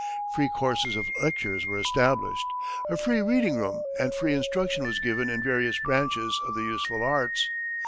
Free courses of lectures were established, a free reading room, and free instruction was given in various branches of the useful arts.